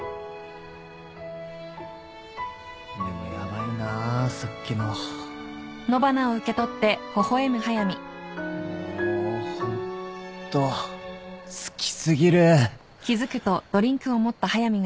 でもヤバいなさっきの。もホント好き過ぎる。